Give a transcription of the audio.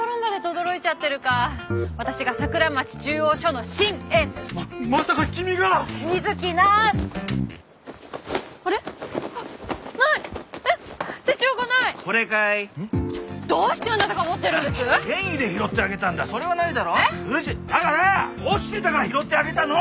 落ちてたから拾ってあげたの！